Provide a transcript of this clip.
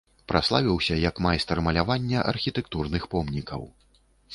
Праславіўся як майстар малявання архітэктурных помнікаў.